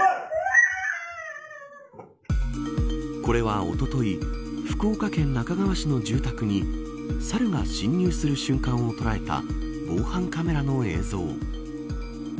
これは、おととい福岡県那珂川市の住宅に猿が侵入する瞬間を捉えた防犯カメラの映像。